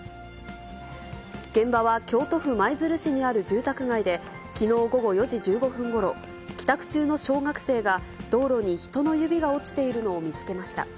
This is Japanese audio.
現場は京都府舞鶴市にある住宅街で、きのう午後４時１５分ごろ、帰宅中の小学生が、道路に人の指が落ちているのを見つけました。